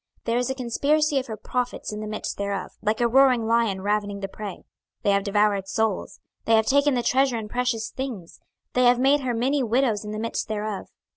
26:022:025 There is a conspiracy of her prophets in the midst thereof, like a roaring lion ravening the prey; they have devoured souls; they have taken the treasure and precious things; they have made her many widows in the midst thereof.